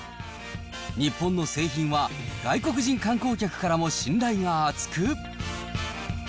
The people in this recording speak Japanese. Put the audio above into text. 日本の製品は、外国人観光客からも信頼が厚く。